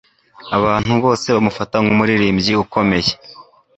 Abantu bose bamufata nkumuririmbyi ukomeye